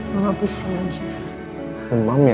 mama pusing aja